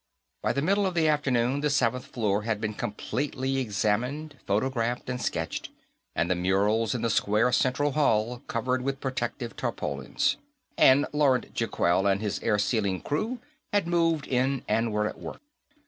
By the middle of the afternoon, the seventh floor had been completely examined, photographed and sketched, and the murals in the square central hall covered with protective tarpaulins, and Laurent Gicquel and his airsealing crew had moved in and were at work.